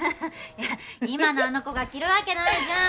いや今のあの子が着るわけないじゃん！